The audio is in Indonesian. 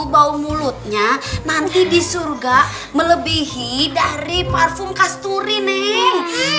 bau mulutnya nanti di surga melebihi dari parfum kasturi nih